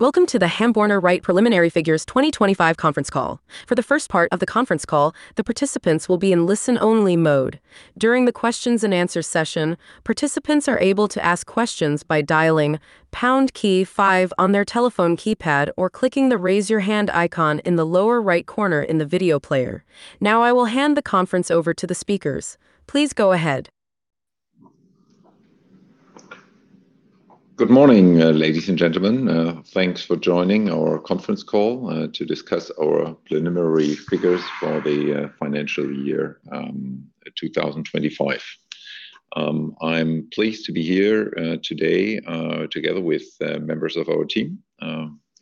Welcome to the Hamborner REIT Preliminary Figures 2025 conference call. For the first part of the conference call, the participants will be in listen-only mode. During the questions and answer session, participants are able to ask questions by dialing pound key five on their telephone keypad or clicking the Raise Your Hand icon in the lower right corner in the video player. I will hand the conference over to the speakers. Please go ahead. Good morning, ladies and gentlemen. Thanks for joining our conference call to discuss our preliminary figures for the financial year 2025. I'm pleased to be here today together with members of our team,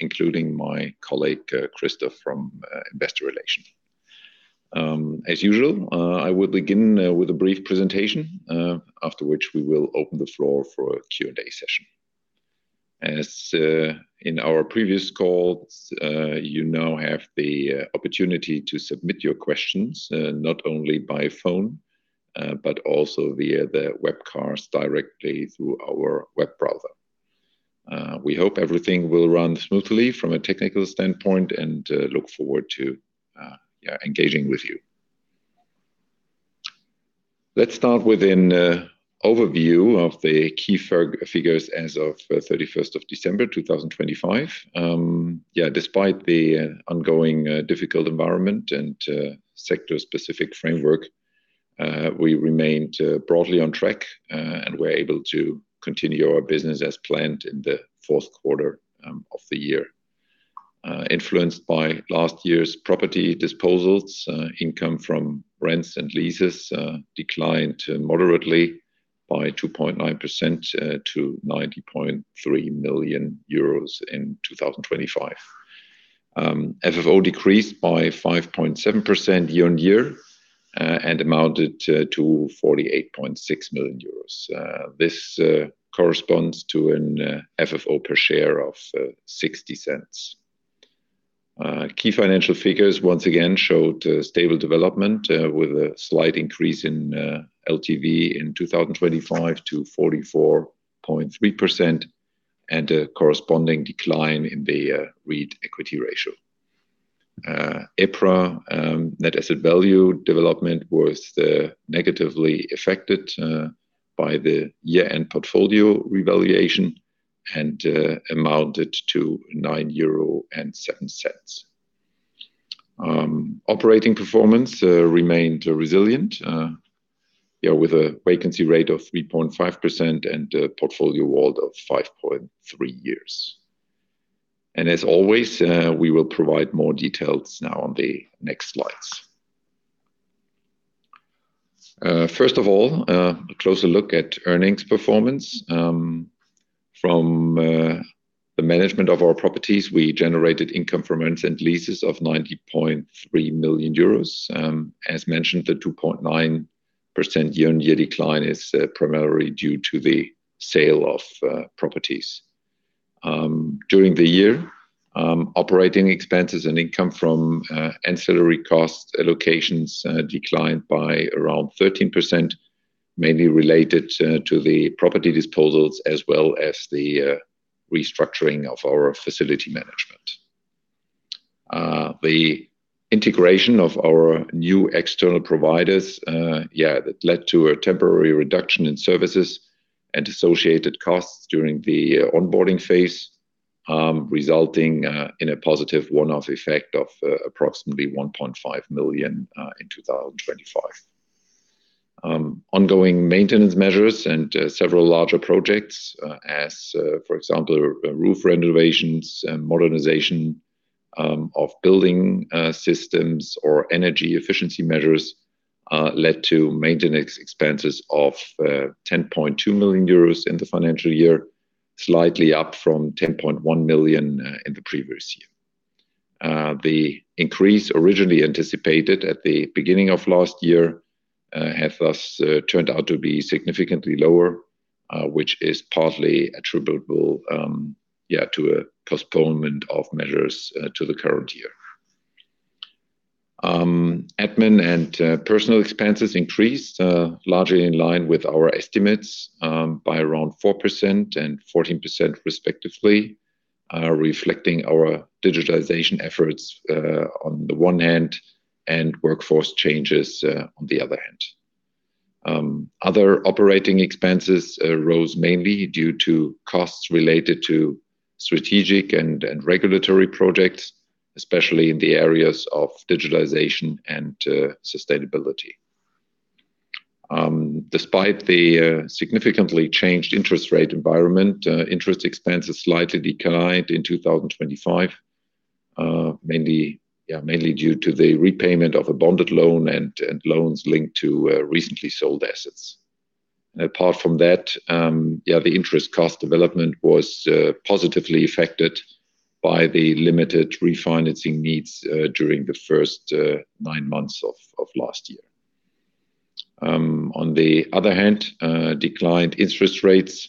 including my colleague, Christoph, from Investor Relations. As usual, I will begin with a brief presentation, after which we will open the floor for a Q&A session. As in our previous calls, you now have the opportunity to submit your questions not only by phone, but also via the webcast directly through our web browser. We hope everything will run smoothly from a technical standpoint and look forward to, yeah, engaging with you. Let's start with an overview of the key figures as of 31st of December, 2025. Despite the ongoing difficult environment and sector-specific framework, we remained broadly on track and were able to continue our business as planned in the fourth quarter of the year. Influenced by last year's property disposals, income from rents and leases declined moderately by 2.9% to 90.3 million euros in 2025. FFO decreased by 5.7% year-on-year and amounted to 48.6 million euros. This corresponds to an FFO per share of 0.60. Key financial figures once again showed stable development with a slight increase in LTV in 2025 to 44.3% and a corresponding decline in the REIT equity ratio. EPRA net asset value development was negatively affected by the year-end portfolio revaluation and amounted to 9.07 euro. Operating performance remained resilient with a vacancy rate of 3.5% and a portfolio wall of 5.3 years. As always, we will provide more details now on the next slides. First of all, a closer look at earnings performance. From the management of our properties, we generated income from rents and leases of 90.3 million euros. As mentioned, the 2.9% year-on-year decline is primarily due to the sale of properties. During the year, operating expenses and income from ancillary cost allocations declined by around 13%, mainly related to the property disposals, as well as the restructuring of our facility management. The integration of our new external providers, that led to a temporary reduction in services and associated costs during the onboarding phase, resulting in a positive one-off effect of approximately 1.5 million in 2025. Ongoing maintenance measures and several larger projects, for example, roof renovations and modernization of building systems or energy efficiency measures led to maintenance expenses of 10.2 million euros in the financial year, slightly up from 10.1 million in the previous year. The increase originally anticipated at the beginning of last year have thus turned out to be significantly lower which is partly attributable to a postponement of measures to the current year. Admin and personnel expenses increased largely in line with our estimatesby around 4% and 14% respectively, reflecting our digitalization efforts on the one hand, and workforce changes on the other hand. Other operating expenses rose mainly due to costs related to strategic and regulatory projects, especially in the areas of digitalization and sustainability. Despite the significantly changed interest rate environment, interest expenses slightly declined in 2025, mainly due to the repayment of a bonded loan and loans linked to recently sold assets. Apart from that, the interest cost development was positively affected by the limited refinancing needs during the first nine months of last year. On the other hand, declined interest rates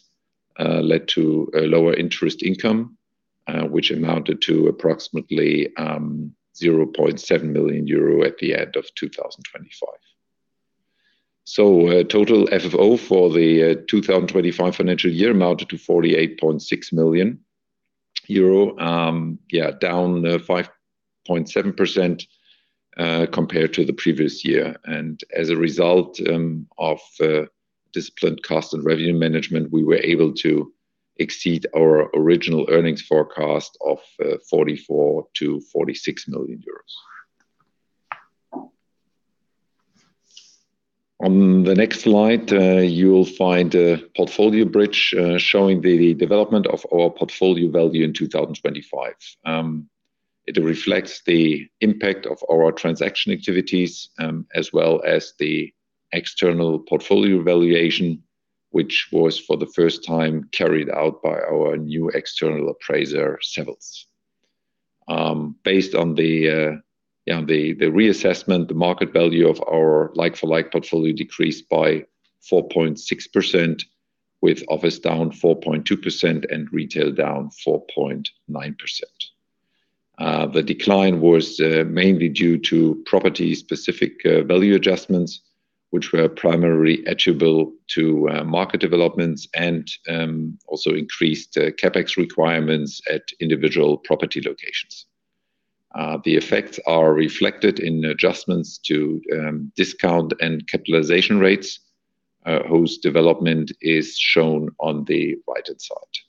led to a lower interest income, which amounted to approximately 0.7 million euro at the end of 2025. Total FFO for the 2025 financial year amounted to 48.6 million euro. Yeah, down 5.7% compared to the previous year. As a result of disciplined cost and revenue management, we were able to exceed our original earnings forecast of 44 million-46 million euros. On the next slide, you will find a portfolio bridge showing the development of our portfolio value in 2025. It reflects the impact of our transaction activities, as well as the external portfolio valuation, which was for the first time carried out by our new external appraiser, Savills. Based on the reassessment, the market value of our like-for-like portfolio decreased by 4.6%, with office down 4.2% and retail down 4.9%. The decline was mainly due to property-specific value adjustments, which were primarily attributable to market developments and also increased CapEx requirements at individual property locations. The effects are reflected in adjustments to discount and capitalization rates, whose development is shown on the right-hand side.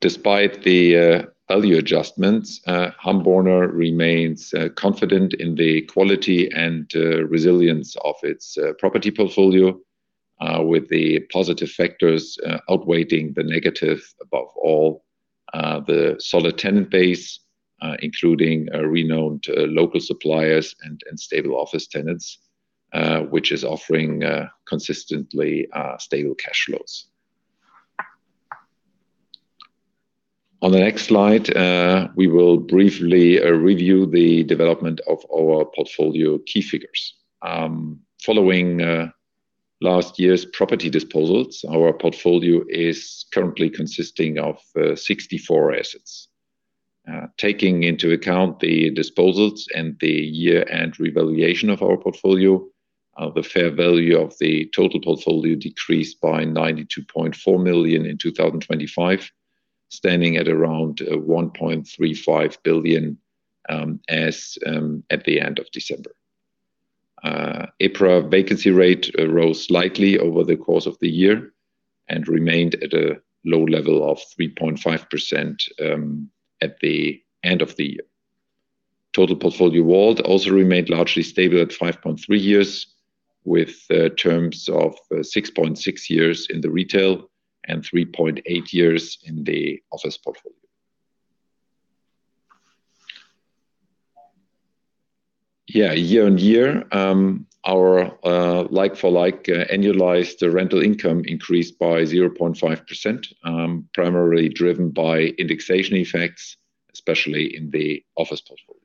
Despite the value adjustments, Hamborner remains confident in the quality and resilience of its property portfolio, with the positive factors outweighing the negative, above all, the solid tenant base, including renowned local suppliers and stable office tenants, which is offering consistently stable cash flows. On the next slide, we will briefly review the development of our portfolio key figures. Following last year's property disposals, our portfolio is currently consisting of 64 assets. Taking into account the disposals and the year-end revaluation of our portfolio, the fair value of the total portfolio decreased by 92.4 million in 2025, standing at around 1.35 billion at the end of December. EPRA vacancy rate rose slightly over the course of the year and remained at a low level of 3.5% at the end of the year. Total portfolio WALT also remained largely stable at 5.3 years, with terms of 6.6 years in the retail and 3.8 years in the office portfolio. Yeah, year-on-year, our like-for-like annualized rental income increased by 0.5%, primarily driven by indexation effects, especially in the office portfolio.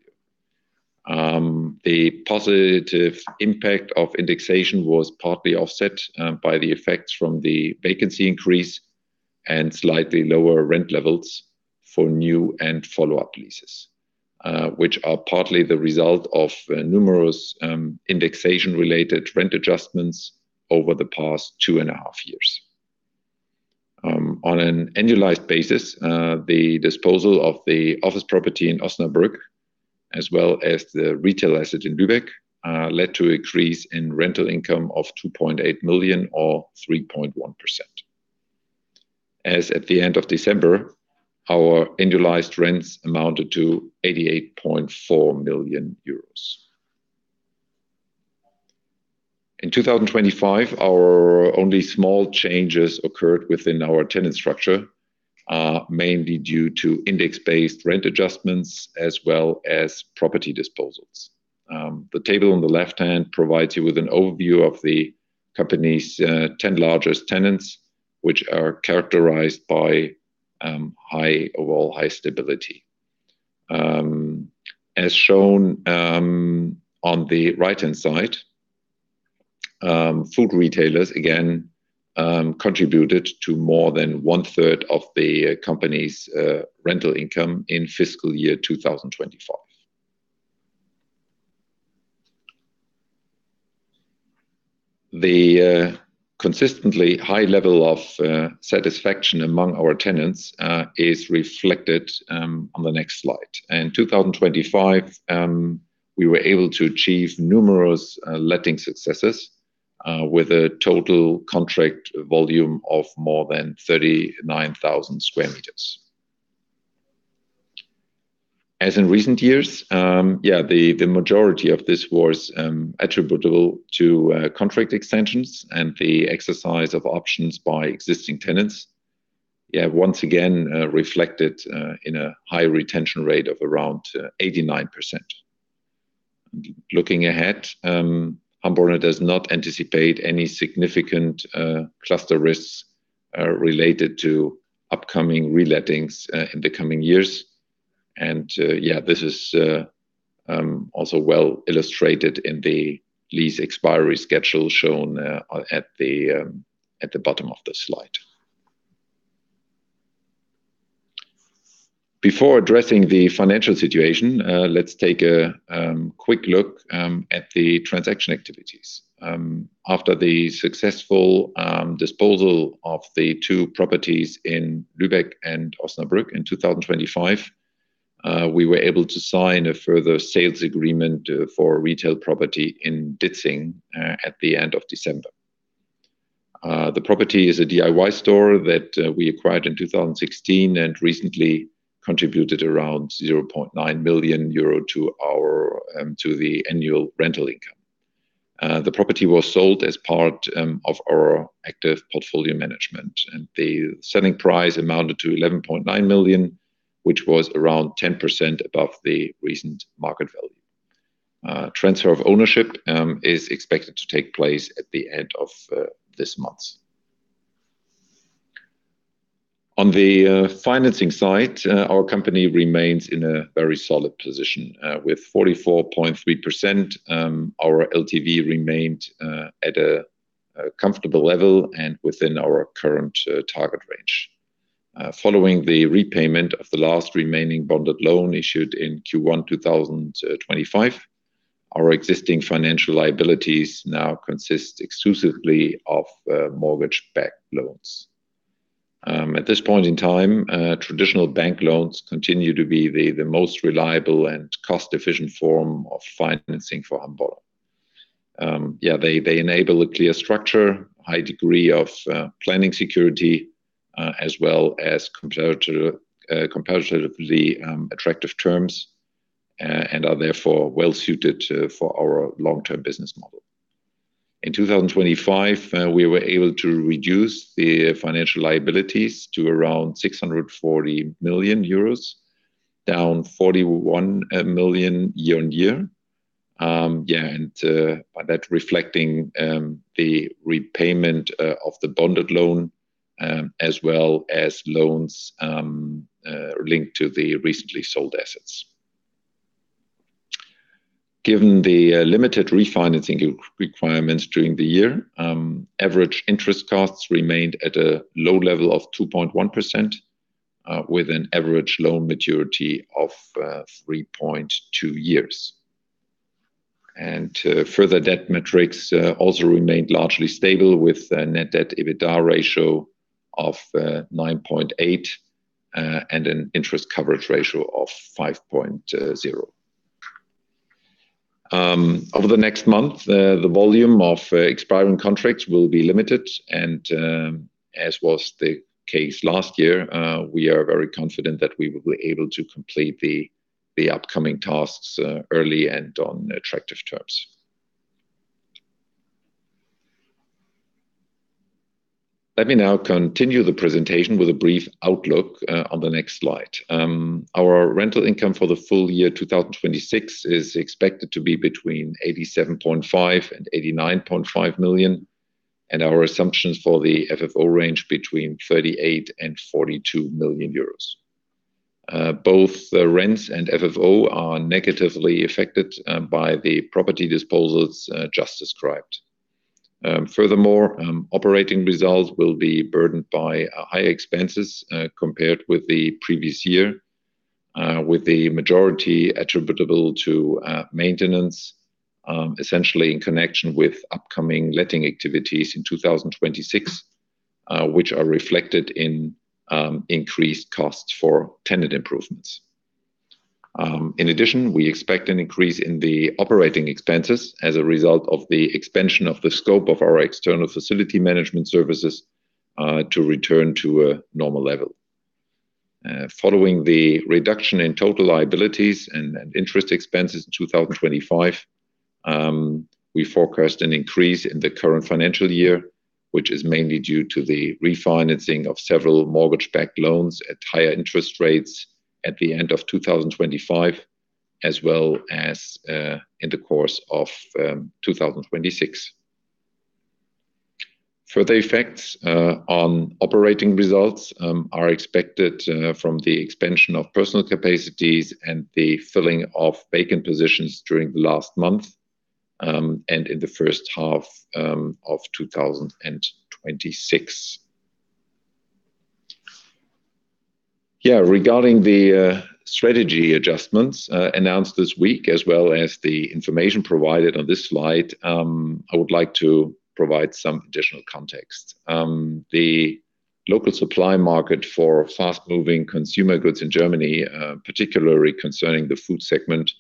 The positive impact of indexation was partly offset by the effects from the vacancy increase and slightly lower rent levels for new and follow-up leases, which are partly the result of numerous indexation-related rent adjustments over the past two and a half years. On an annualized basis, the disposal of the office property in Osnabrück, as well as the retail asset in Lübeck, led to increase in rental income of 2.8 million or 3.1%. As at the end of December, our annualized rents amounted to 88.4 million euros. In 2025, our only small changes occurred within our tenant structure, mainly due to index-based rent adjustments as well as property disposals. The table on the left-hand provides you with an overview of the company's 10 largest tenants, which are characterized by high overall, high stability. As shown on the right-hand side, food retailers again contributed to more than 1/3 of the company's rental income in fiscal year 2025. The consistently high level of satisfaction among our tenants is reflected on the next slide. In 2025, we were able to achieve numerous letting successes with a total contract volume of more than 39,000 sqm. As in recent years, the majority of this was attributable to contract extensions and the exercise of options by existing tenants. Once again, reflected in a high retention rate of around 89%. Looking ahead, Hamborner does not anticipate any significant cluster risks related to upcoming relettings in the coming years. Yeah, this is also well illustrated in the lease expiry schedule shown at the bottom of the slide. Before addressing the financial situation, let's take a quick look at the transaction activities. After the successful disposal of the two properties in Lübeck and Osnabrück in 2025, we were able to sign a further sales agreement for retail property in Ditzingen at the end of December. The property is a DIY store that we acquired in 2016, and recently contributed around 0.9 million euro to the annual rental income. The property was sold as part of our active portfolio management, the selling price amounted to 11.9 million, which was around 10% above the recent market value. Transfer of ownership is expected to take place at the end of this month. On the financing side, our company remains in a very solid position. With 44.3%, our LTV remained at a comfortable level and within our current target range. Following the repayment of the last remaining bonded loan issued in Q1 2025, our existing financial liabilities now consist exclusively of mortgage-backed loans. At this point in time, traditional bank loans continue to be the most reliable and cost-efficient form of financing for Hamborner. They enable a clear structure, high degree of planning security, as well as comparatively attractive terms, and are therefore well suited to, for our long-term business model. In 2025, we were able to reduce the financial liabilities to around 640 million euros, down 41 million year-on-year. By that reflecting the repayment of the bonded loan, as well as loans linked to the recently sold assets. Given the limited refinancing requirements during the year, average interest costs remained at a low level of 2.1%, with an average loan maturity of 3.2 years. Further debt metrics also remained largely stable, with a net debt EBITDA ratio of 9.8, and an interest coverage ratio of 5.0. Over the next month, the volume of expiring contracts will be limited, and as was the case last year, we are very confident that we will be able to complete the upcoming tasks early and on attractive terms. Let me now continue the presentation with a brief outlook on the next slide. Our rental income for the full year 2026 is expected to be between 87.5 million and 89.5 million, and our assumptions for the FFO range between 38 million and 42 million euros. Both the rents and FFO are negatively affected by the property disposals just described. Furthermore, operating results will be burdened by higher expenses compared with the previous year, with the majority attributable to maintenance essentially in connection with upcoming letting activities in 2026, which are reflected in increased costs for tenant improvements. In addition, we expect an increase in the operating expenses as a result of the expansion of the scope of our external facility management services to return to a normal level. Following the reduction in total liabilities and interest expenses in 2025, we forecast an increase in the current financial year, which is mainly due to the refinancing of several mortgage-backed loans at higher interest rates at the end of 2025, as well as in the course of 2026. Further effects on operating results are expected from the expansion of personnel capacities and the filling of vacant positions during the last month and in the first half of 2026. Regarding the strategy adjustments announced this week, as well as the information provided on this slide, I would like to provide some additional context. The local supply market for fast-moving consumer goods in Germany, particularly concerning the food segment,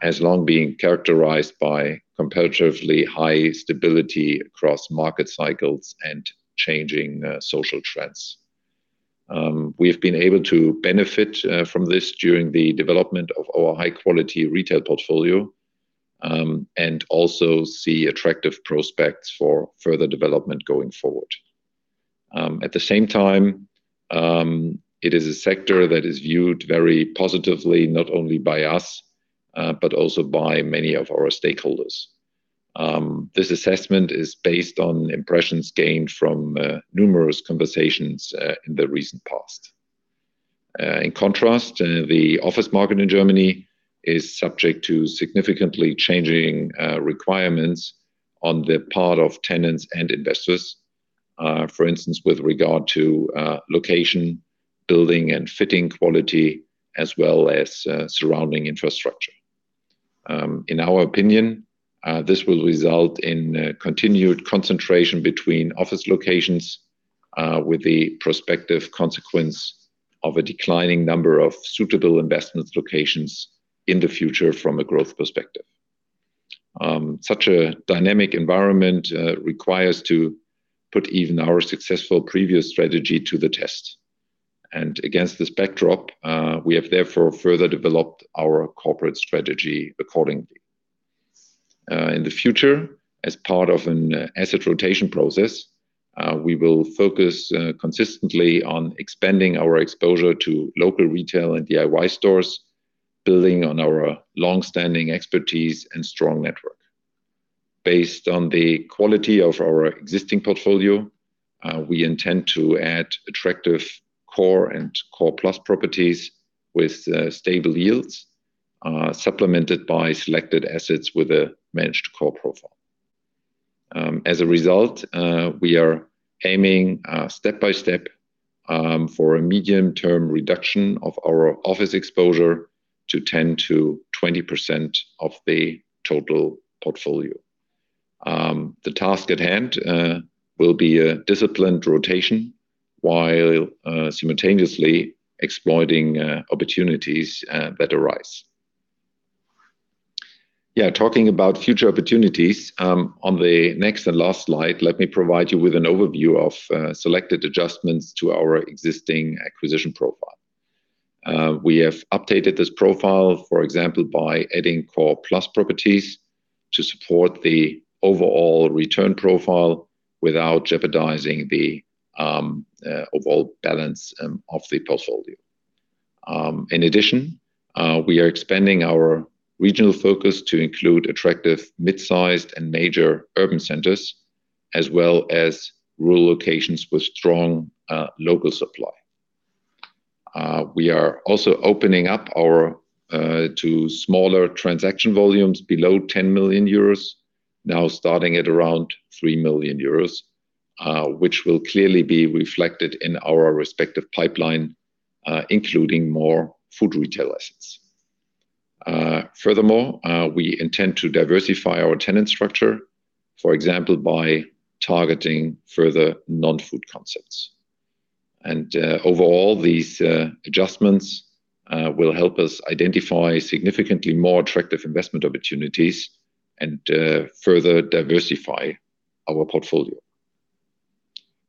has long been characterized by comparatively high stability across market cycles and changing social trends. We've been able to benefit from this during the development of our high-quality retail portfolio and also see attractive prospects for further development going forward. At the same time, it is a sector that is viewed very positively, not only by us, but also by many of our stakeholders. This assessment is based on impressions gained from numerous conversations in the recent past. In contrast, the office market in Germany is subject to significantly changing requirements on the part of tenants and investors. For instance, with regard to location building and fitting quality as well as surrounding infrastructure. In our opinion, this will result in continued concentration between office locations, with the prospective consequence of a declining number of suitable investment locations in the future from a growth perspective. Such a dynamic environment requires to put even our successful previous strategy to the test. Against this backdrop, we have therefore further developed our corporate strategy accordingly. In the future, as part of an asset rotation process, we will focus consistently on expanding our exposure to local retail and DIY stores, building on our longstanding expertise and strong network. Based on the quality of our existing portfolio, we intend to add attractive core and core plus properties with stable yields, supplemented by selected assets with a manage-to-core profile. As a result, we are aiming step by step for a medium-term reduction of our office exposure to 10%-20% of the total portfolio. The task at hand will be a disciplined rotation while simultaneously exploiting opportunities that arise. Talking about future opportunities, on the next and last slide, let me provide you with an overview of selected adjustments to our existing acquisition profile. We have updated this profile, for example, by adding core plus properties to support the overall return profile without jeopardizing the overall balance of the portfolio. In addition, we are expanding our regional focus to include attractive mid-sized and major urban centers, as well as rural locations with strong local supply. We are also opening up our to smaller transaction volumes below 10 million euros, now starting at around 3 million euros, which will clearly be reflected in our respective pipeline, including more food retail assets. We intend to diversify our tenant structure, for example, by targeting further non-food concepts. Overall, these adjustments will help us identify significantly more attractive investment opportunities and further diversify our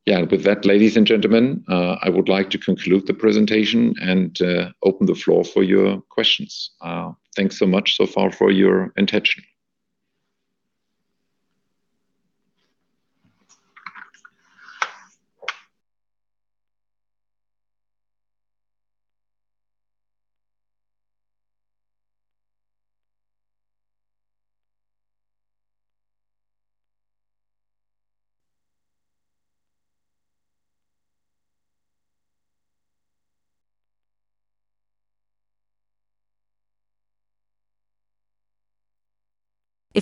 portfolio. With that, ladies and gentlemen, I would like to conclude the presentation and open the floor for your questions. Thanks so much so far for your attention.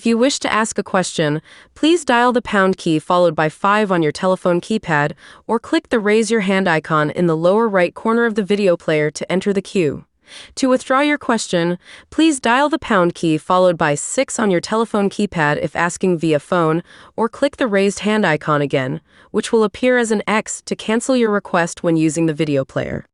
If you wish to ask a question, please dial the pound key followed by five on your telephone keypad, or click the Raise Your Hand icon in the lower right corner of the video player to enter the queue. To withdraw your question, please dial the pound key followed by six on your telephone keypad if asking via phone, or click the Raised Hand icon again, which will appear as an X to cancel your request when using the video player.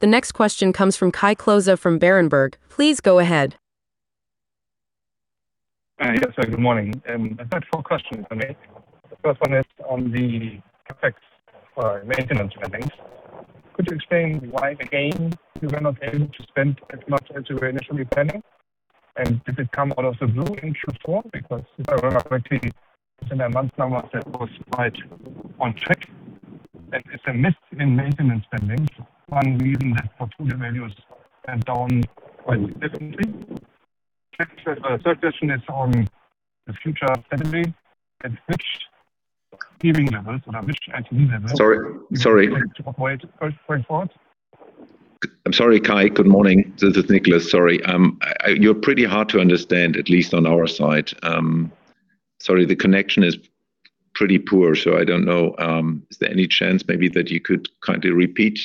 The next question comes from Kai Klose from Berenberg. Please go ahead. Hi. Yes, sir. Good morning. I've got four questions for me. The first one is on the CapEx maintenance spendings. Could you explain why, again, you were not able to spend as much as you were initially planning? Did it come out of the blue in Q4? Because if I remember correctly, in the month numbers, that was right on track. It's a miss in maintenance spending, one reason that portfolio values went down quite significantly. Second question, third question is on the and which levels? Sorry, sorry. Going forward. I'm sorry, Kai. Good morning. This is Niclas. Sorry, you're pretty hard to understand, at least on our side. Sorry, the connection is pretty poor, I don't know. Is there any chance maybe that you could kindly repeat?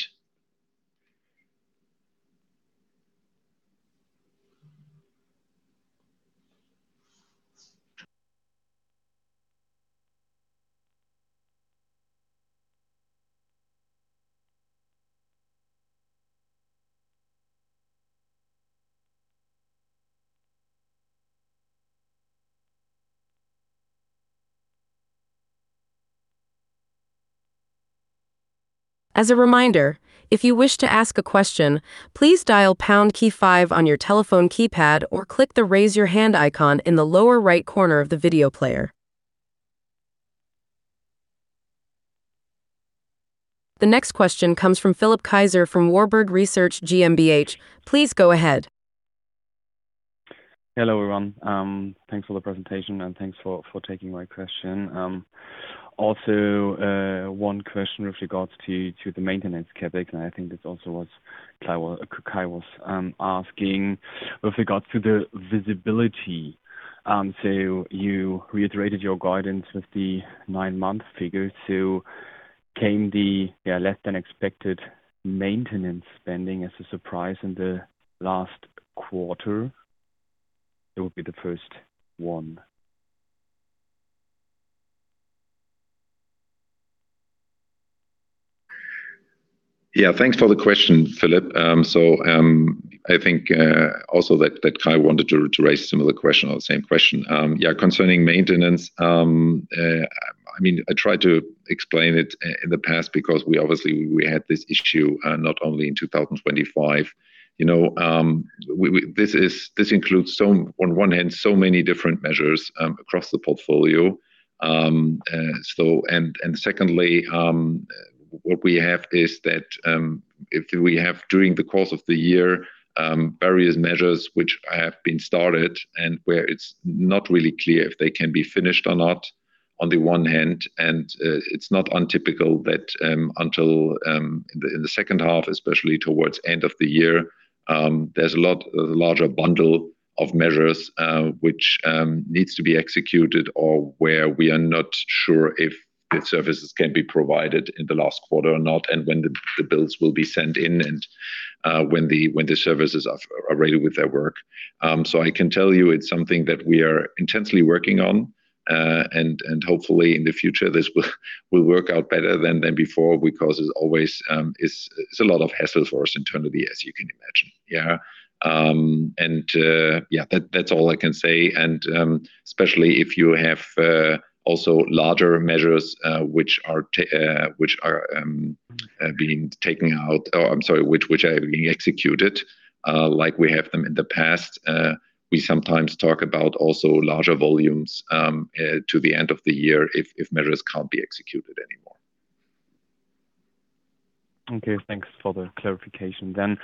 As a reminder, if you wish to ask a question, please dial pound key five on your telephone keypad, or click the Raise Your Hand icon in the lower right corner of the video player. The next question comes from Philipp Kaiser from Warburg Research GmbH. Please go ahead. Hello, everyone. Thanks for the presentation, and thanks for taking my question. Also, one question with regards to the maintenance CapEx, and I think that's also what Kai was asking with regards to the visibility. You reiterated your guidance with the nine-month figure. Came the less than expected maintenance spending as a surprise in the last quarter? That would be the first one. Thanks for the question, Philipp. I think also that Kai wanted to raise a similar question or the same question concerning maintenance. I tried to explain it in the past because we obviously, we had this issue, not only in 2025. This includes on one hand, so many different measures across the portfolio. Secondly, what we have is that, if we have, during the course of the year, various measures which have been started and where it's not really clear if they can be finished or not on the one hand, it's not untypical that until in the second half, especially towards end of the year, there's a lot larger bundle of measures, which needs to be executed or where we are not sure if the services can be provided in the last quarter or not, when the bills will be sent in, when the services are ready with their work. I can tell you it's something that we are intensely working on, and hopefully in the future, this will work out better than before because it's always, it's a lot of hassle for us internally, as you can imagine. Yeah, that's all I can say. Especially if you have also larger measures, which are being executed, like we have them in the past. We sometimes talk about also larger volumes, to the end of the year if measures can't be executed anymore. Okay, thanks for the clarification then.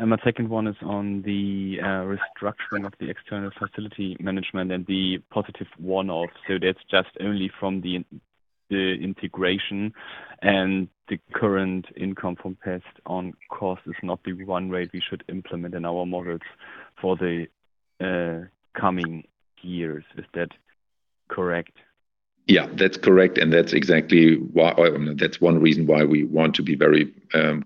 My second one is on the restructuring of the external facility management and the positive one-off. That's just only from the integration and the current income from passed-on costs is not the run rate we should implement in our models for the coming years. Is that correct? Yeah, that's correct. That's exactly why that's one reason why we want to be very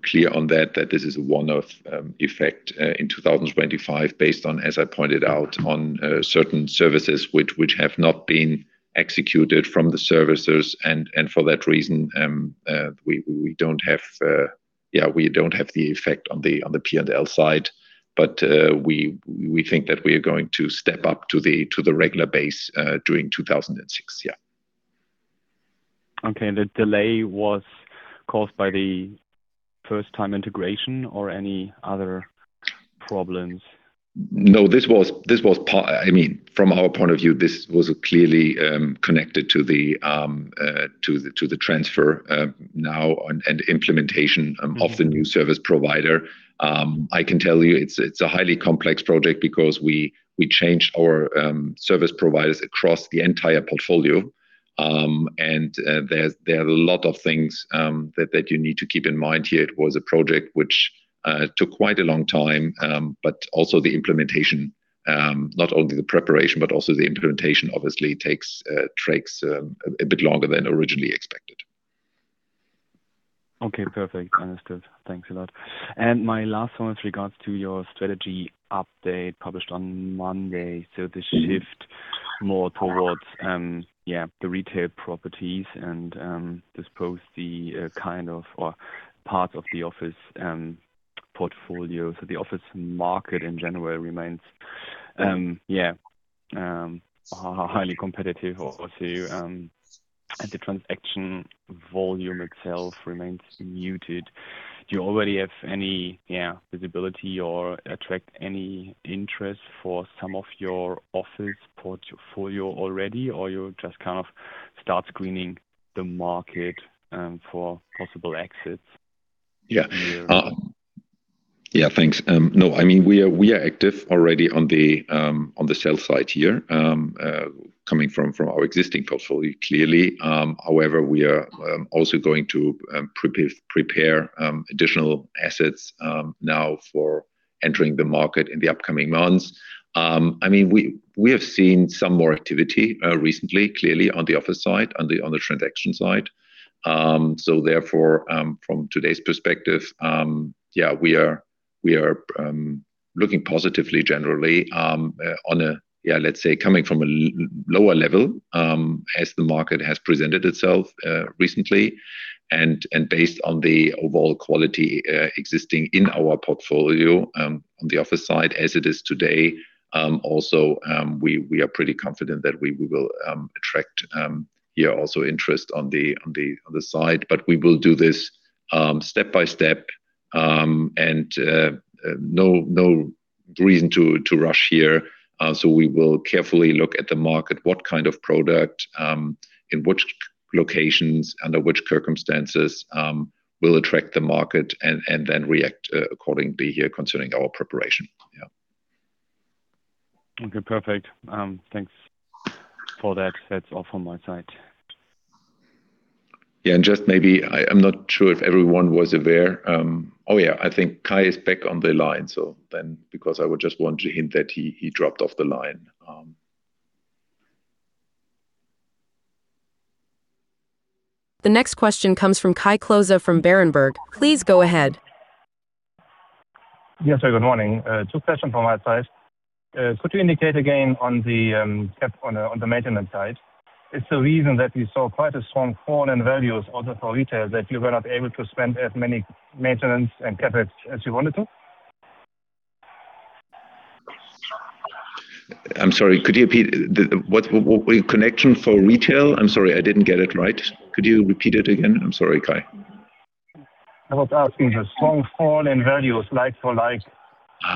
clear on that this is a one-off effect in 2025 based on, as I pointed out, on certain services which have not been executed from the services. For that reason, we don't have the effect on the P&L side, but we think that we are going to step up to the regular base during 2026. Yeah. Okay. the delay was caused by the first-time integration or any other problems? No, I mean, from our point of view, this was clearly connected to the transfer now and implementation of the new service provider. I can tell you, it's a highly complex project because we changed our service providers across the entire portfolio. There are a lot of things that you need to keep in mind here. It was a project which took quite a long time, but also the implementation, not only the preparation, but also the implementation obviously takes a bit longer than originally expected. Okay, perfect. Understood. Thanks a lot. My last one with regards to your strategy update published on Monday, so the shift more towards the retail properties and dispose the kind of or parts of the office portfolio. The office market in general remains highly competitive also, and the transaction volume itself remains muted. Do you already have any visibility or attract any interest for some of your office portfolio already, or you just kind of start screening the market for possible exits? Yeah. Yeah, thanks. No, we are active already on the sales side here, coming from our existing portfolio, clearly. We are also going to prepare additional assets now for entering the market in the upcoming months. We have seen some more activity recently, clearly on the office side, on the transaction side. Therefore, from today's perspective, we are looking positively generally, let's say, coming from a lower level, as the market has presented itself recently, and based on the overall quality existing in our portfolio, on the office side as it is today, also, we are pretty confident that we will attract also interest on the side. We will do this step by step, and no reason to rush here. We will carefully look at the market, what kind of product, in which locations, under which circumstances, will attract the market and then react accordingly here concerning our preparation. Yeah. Okay, perfect. Thanks for that. That's all from my side. Yeah, and just maybe, I'm not sure if everyone was aware. Oh, yeah, I think Kai is back on the line, because I would just want to hint that he dropped off the line. The next question comes from Kai Klose from Berenberg. Please go ahead. Yes, sir, good morning. Two questions from my side. Could you indicate again on the cap on the maintenance side, is the reason that you saw quite a strong fall in values also for retail, that you were not able to spend as many maintenance and CapEx as you wanted to? I'm sorry, could you repeat the what was connection for retail? I'm sorry, I didn't get it right. Could you repeat it again? I'm sorry, Kai. I was asking the strong fall in values, like for like.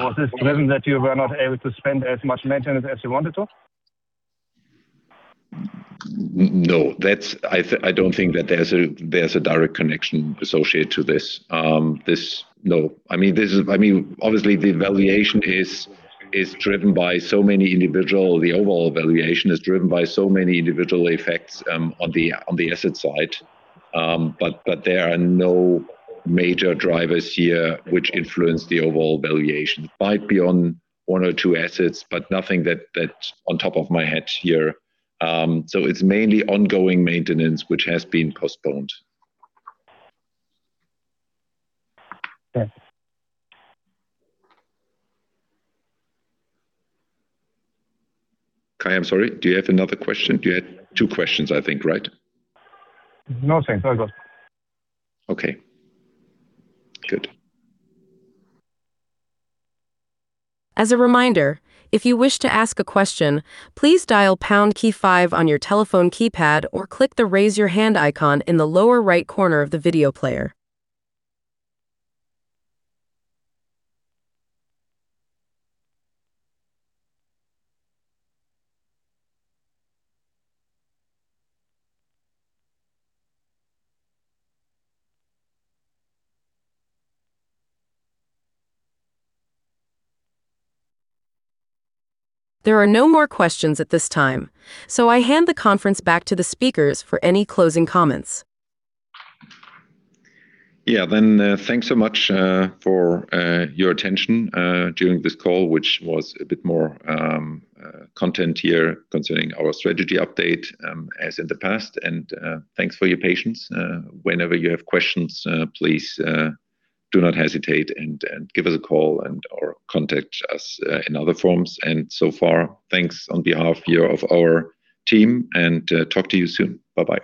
Was this driven that you were not able to spend as much maintenance as you wanted to? No, I don't think that there's a direct connection associated to this. No. I mean, this is, I mean, obviously, the overall valuation is driven by so many individual effects on the asset side. There are no major drivers here which influence the overall valuation. Might be on one or two assets, but nothing on top of my head here. It's mainly ongoing maintenance, which has been postponed. Okay. Kai, I'm sorry. Do you have another question? You had two questions, I think, right? No, thanks. All good. Okay. Good. As a reminder, if you wish to ask a question, please dial #5 on your telephone keypad or click the Raise Your Hand icon in the lower right corner of the video player. There are no more questions at this time. I hand the conference back to the speakers for any closing comments. Yeah. Thanks so much for your attention during this call, which was a bit more content here concerning our strategy update as in the past. Thanks for your patience. Whenever you have questions, please do not hesitate, and give us a call or contact us in other forms. So far, thanks on behalf here of our team, and talk to you soon. Bye-bye.